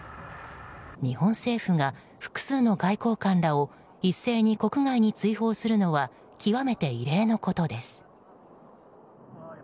日本政府が複数の外交官らを一斉に国外に追放するのは極めて異例のことです。